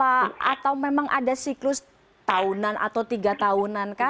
atau memang ada siklus tahunan atau tiga tahunan kah